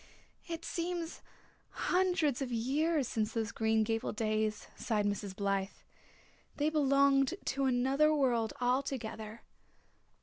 "It seems hundreds of years since those Green Gables days," sighed Mrs. Blythe. "They belonged to another world altogether.